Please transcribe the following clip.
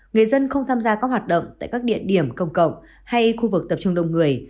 người dân không tham gia các hoạt động tại các địa điểm công cộng hay khu vực tập trung đông người